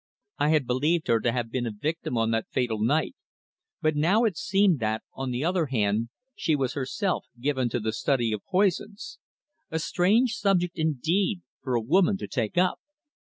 I had believed her to have been a victim on that fatal night, but now it seemed that, on the other hand, she was herself given to the study of poisons; a strange subject, indeed, for a woman to take up.